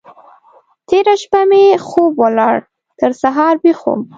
تېره شپه مې خوب ولاړ؛ تر سهار ويښ وم.